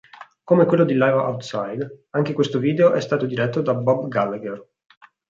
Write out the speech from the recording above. Come quello di "Live Outside", anche questo video è stato diretto da Bob Gallagher.